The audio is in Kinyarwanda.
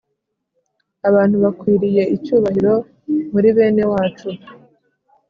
abantu bakwiriye icyubahiro muri bene wacu.